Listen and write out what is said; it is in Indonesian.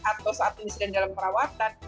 atau saat disediakan dalam perawatan